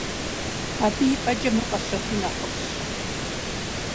Абы и пӀэкӀэ мыр къэщэхуи нэхъыфӏщ.